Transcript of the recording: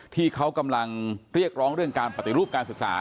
ที่เขากำลังเรียกร้องเรื่องการปฏิรูปการศึกษา